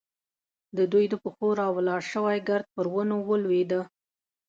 د دوی د پښو راولاړ شوی ګرد پر ونو لوېده.